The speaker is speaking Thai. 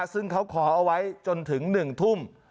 ซึ่งเขาขอเอาไว้จนถึง๑ทุ่ม